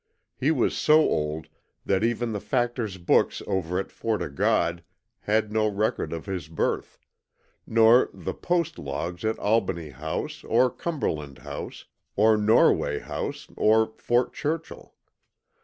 He was so old that even the Factor's books over at Fort O' God had no record of his birth; nor the "post logs" at Albany House, or Cumberland House, or Norway House, or Fort Churchill.